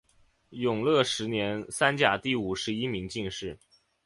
永乐十年三甲第五十一名进士。